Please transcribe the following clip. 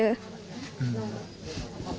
อืม